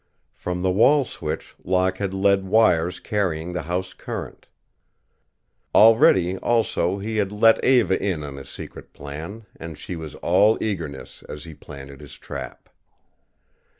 From the wall switch Locke had led wires carrying the house current. Already, also, he had let Eva in on his secret plan, and she was all eagerness as he planted his trap.